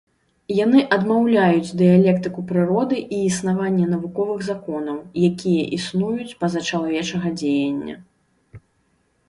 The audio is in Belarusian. Яны адмаўляюць дыялектыку прыроды і існаванне навуковых законаў, якія існуюць па-за чалавечага дзеяння.